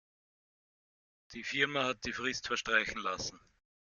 Die Firma hat die Frist verstreichen lassen.